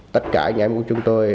tất cả nhà em của chúng tôi